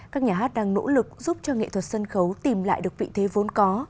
các nhà hát đang nỗ lực giúp cho nghệ thuật sân khấu tìm lại được vị thế vốn có